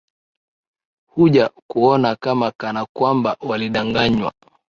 huja kuona kama kana kwamba walidanganywaa